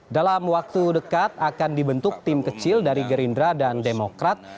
dalam waktu dekat akan dibentuk tim kecil dari gerindra dan demokrat